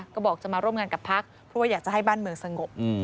ก็บอกจะมาร่วมงานกับพักเพราะว่าอยากจะให้บ้านเมืองสงบ